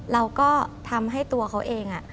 เราก็ทำให้ตัวเขาเอง